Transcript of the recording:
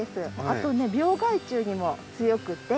あとね病害虫にも強くて。